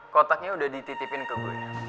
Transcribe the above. kotaknya udah dititipin ke gue